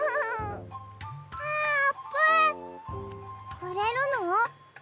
くれるの？